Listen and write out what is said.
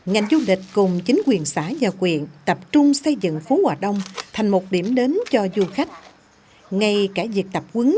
thậm chí chị còn tranh thủ đi làm